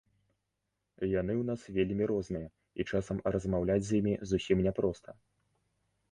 Яны ў нас вельмі розныя, і часам размаўляць з імі зусім не проста.